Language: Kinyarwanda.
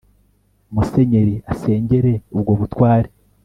musenyeri asengere ubwo butware